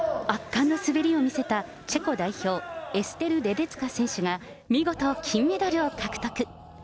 圧巻の滑りを見せたチェコ代表、エステル・レデツカ選手が見事金メダルを獲得。